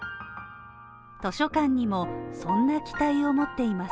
図書館にも、そんな期待を持っています。